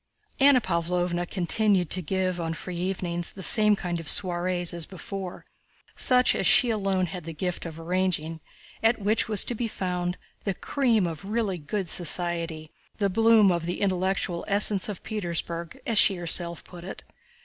Anna Pávlovna continued to give on free evenings the same kind of soirees as before—such as she alone had the gift of arranging—at which was to be found "the cream of really good society, the bloom of the intellectual essence of Petersburg," as she herself put it.